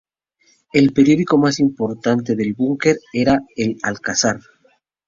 El periódico más importante del búnker era "El Alcázar".